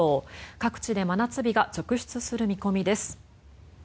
各地で真夏日が続出する見込みです。